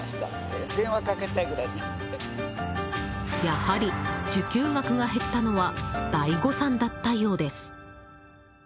やはり受給額が減ったのは大誤算だったようです。